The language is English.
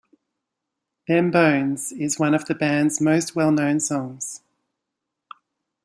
"Them Bones" is one of the band's most well known songs.